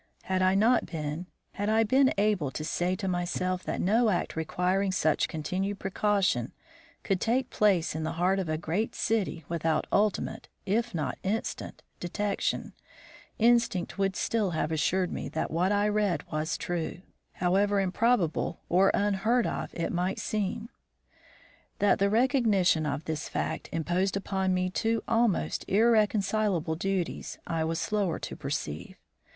Had I not been, had I been able to say to myself that no act requiring such continued precaution could take place in the heart of a great city without ultimate, if not instant, detection, instinct would still have assured me that what I read was true, however improbable or unheard of it might seem. That the recognition of this fact imposed upon me two almost irreconcilable duties I was slower to perceive.